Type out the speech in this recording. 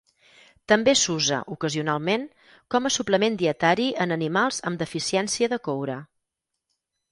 També s'usa, ocasionalment, com a suplement dietari en animals amb deficiència de coure.